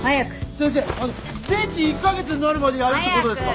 先生全治１カ月になるまでやるってことですか？